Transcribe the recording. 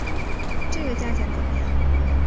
这个价钱怎么样？